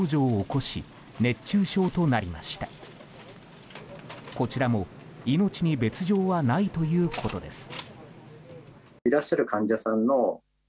こちらも命に別条はないということです。